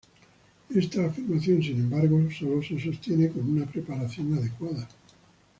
Esta afirmación, sin embargo, solo se sostiene con una preparación adecuada.